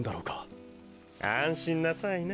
安心なさいな。